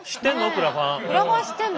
クラファン知ってんの？